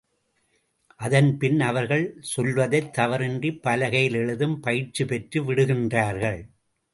அதன்பின் அவர்கள் சொல்வதைத் தவறின்றிப் பலகையில் எழுதும் பயிற்சிபெற்று விடுகின்றார்கள்.